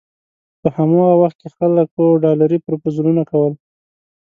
په هماغه وخت کې خلکو ډالري پروپوزلونه کول.